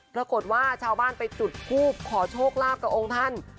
ปรากฏว่าชาวบ้านไปจุดทูบขอโชคลาภกับองค์ท่าน